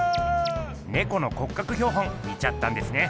ねこの骨格標本見ちゃったんですね。